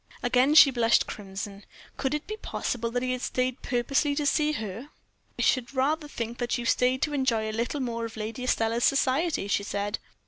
Again she blushed crimson. Could it be possible that he had stayed purposely to see her? "I should rather think that you stayed to enjoy a little more of Lady Estelle's society," she said.